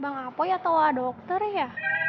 bang apoy atau dokter ya